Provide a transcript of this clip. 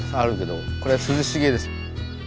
これは涼しげです。